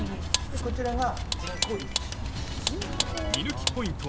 でこちらが。